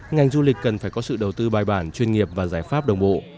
ngành du lịch cần phải có sự đầu tư bài bản chuyên nghiệp và giải pháp đồng bộ